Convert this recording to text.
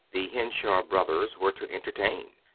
The Henshaw brothers were to entertain.